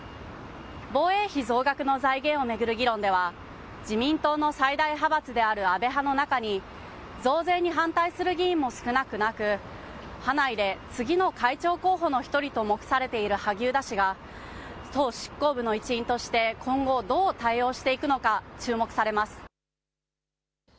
防衛費増額の財源を巡る議論では自民党の最大派閥である安倍派の中に増税に反対する議員も少なくなく、派内で次の会長候補の１人と目されている萩生田氏が党執行部の一員として今後、どう対応していくのか注目されます。